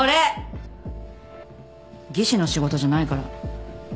技師の仕事じゃないから。